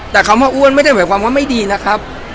แต่คำว่าอ้วนไม่ใช่แบบว่าไม่ดีนะครับ